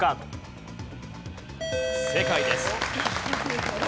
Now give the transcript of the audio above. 正解です。